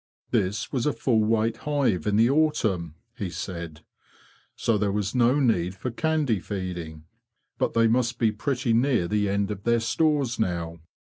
'' This was a full weight hive in the autumn,'' he said, ''so there was no need for candy feeding. But they must be pretty near the end of their stores now.